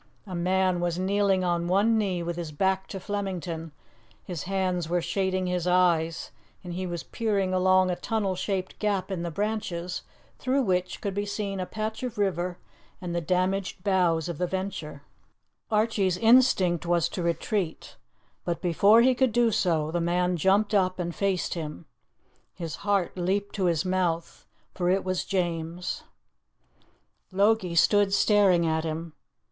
A man was kneeling on one knee with his back to Flemington; his hands were shading his eyes, and he was peering along a tunnel shaped gap in the branches, through which could be seen a patch of river and the damaged bows of the Venture. Archie's instinct was to retreat, but before he could do so, the man jumped up and faced him. His heart leaped to his mouth, for it was James. Logie stood staring at him.